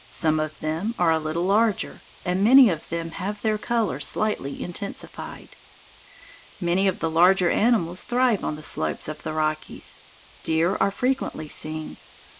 Some of them are a little larger, and many of them have their colors slightly intensified. Many of the larger animals thrive on the slopes of the Rockies. Deer are frequently seen.